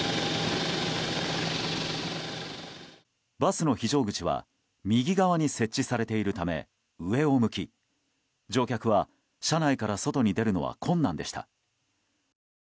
バスの非常口は右側に設置されているため上を向き、乗客は車内から外に出るのは困難でした。